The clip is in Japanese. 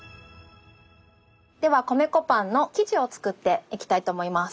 では米粉パンの生地をつくっていきたいと思います。